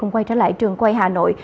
quay trở lại trường quay hà nội